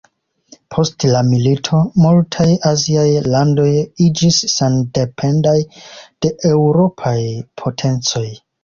Post la milito, multaj Aziaj landoj iĝis sendependaj de Eŭropaj potencoj.